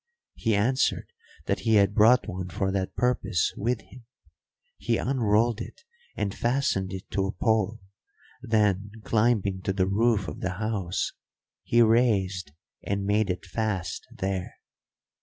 He answered that he had brought one for that purpose with him. He unrolled it and fastened it to a pole; then, climbing to the roof of the house, he raised and made it fast there.